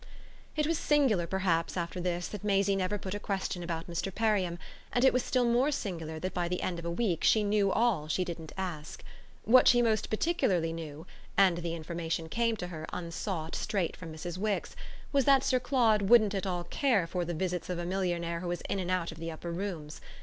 It was singular perhaps after this that Maisie never put a question about Mr. Perriam, and it was still more singular that by the end of a week she knew all she didn't ask. What she most particularly knew and the information came to her, unsought, straight from Mrs. Wix was that Sir Claude wouldn't at all care for the visits of a millionaire who was in and out of the upper rooms.